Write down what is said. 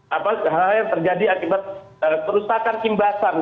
hal hal yang terjadi akibat kerusakan timbasan